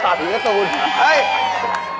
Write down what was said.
ตาผีกระตูน